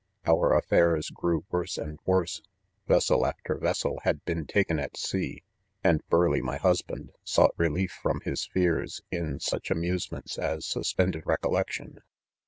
Our affairs grew worse and worse. Vessel .after vessel had 'been taken at sea, and Burleigh. .my husband, sought relief from his fears, in §uch amusements as suspended recollection.